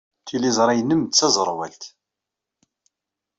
Tiliẓri-nnem d taẓerwalt.